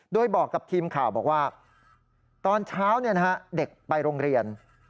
โดยบอกกับทีมข่าวบอกว่าตอนเช้าเด็กไปโรงเรียน